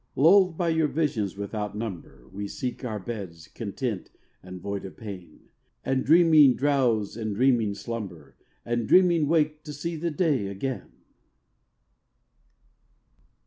Lulled by your visions without number, We seek our beds content and void of pain, And dreaming drowse and dreaming slumber And dreaming wake to see the day again.